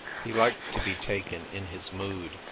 He liked to be taken in his mood.